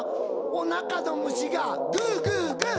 おなかの虫がグーグーグー！